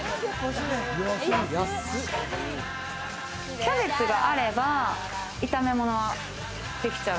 キャベツがあれば、炒め物はできちゃう。